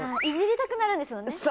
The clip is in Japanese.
いじりたくなるんですよね？